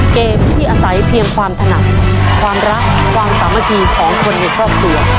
เกมที่อาศัยเพียงความถนัดความรักความสามัคคีของคนในครอบครัว